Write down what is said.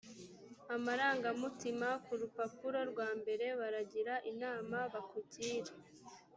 amarangamutima ku rupapuro rwa mbere baragira inama bakugira